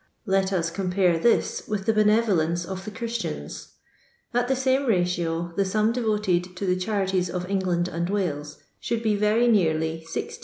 Let us compare this with the benevolence of the Christians. At the same ratio the sum de voted to the charities of England and ^Valcs should be very nearly 16,000.